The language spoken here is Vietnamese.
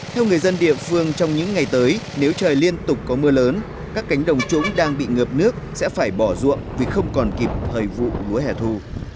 theo người dân địa phương trong những ngày tới nếu trời liên tục có mưa lớn các cánh đồng trũng đang bị ngập nước sẽ phải bỏ ruộng vì không còn kịp thời vụ lúa hẻ thu